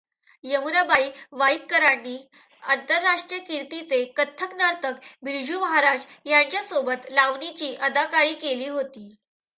यमुनाबाई वाईकरांनी आंतरराष्ट्रीय कीर्तीचे कथ्थक नर्तक बिर्जू महाराज यांच्या सोबत लावणीची अदाकारी केली होती.